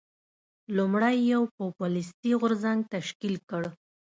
لومړی یو پوپلیستي غورځنګ تشکیل کړ.